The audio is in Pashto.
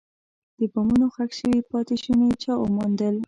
د بمونو ښخ شوي پاتې شوني چا وموندل.